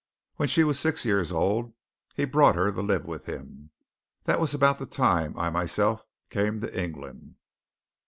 When she was six years old, he brought her to live with him. That was about the time I myself came to England."